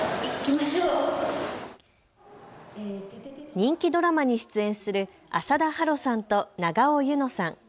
人気ドラマに出演する浅田芭路さんと永尾柚乃さん。